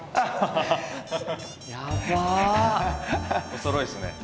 おそろいっすね。